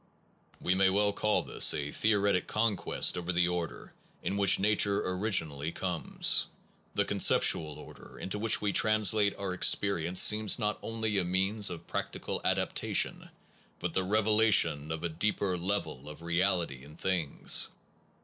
1 We may well call this a theoretic conquest over the order in which nature originally comes. The conceptual order into which we translate our experience seems not only a means of prac tical adaptation, but the revelation of a deeper level of reality in things.